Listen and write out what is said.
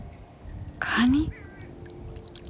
カニ！